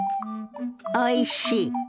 おいしい。